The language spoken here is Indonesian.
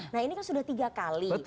nah ini kan sudah tiga kali